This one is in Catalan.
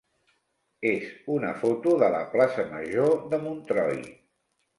és una foto de la plaça major de Montroi.